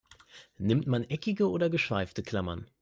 Nimmt man eckige oder geschweifte Klammern?